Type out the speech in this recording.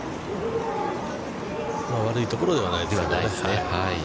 悪いところではないですね。